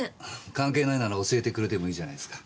関係ないなら教えてくれてもいいじゃないすか。